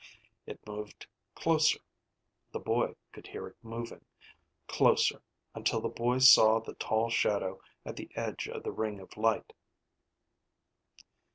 It moved closer, the boy could hear it moving, closer until the boy saw the tall shadow at the edge of the ring of light.